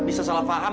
bisa salah paham